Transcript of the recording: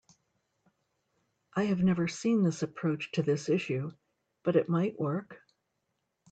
I have never seen this approach to this issue, but it might work.